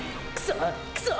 くそ！